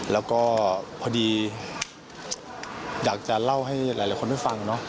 แล้วก็พอดีอยากจะเล่าให้หลายคนได้ฟังเนอะ